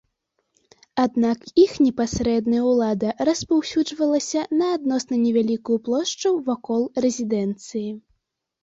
Аднак іх непасрэдная ўлада распаўсюджвалася на адносна невялікую плошчу вакол рэзідэнцыі.